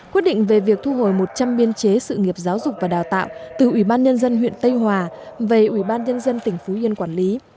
quyết định về việc thu hồi một trăm linh biên chế sự nghiệp giáo dục và đào tạo từ ủy ban nhân dân huyện tây hòa về ủy ban nhân dân tỉnh phú yên quản lý